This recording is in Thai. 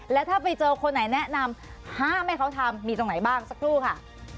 แล้วถ้าไปเจอคนไหนแนะนำห้ามให้เขาทำมีตรงไหนบ้างสักครู่ค่ะ